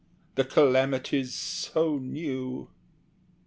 the calamity's so new.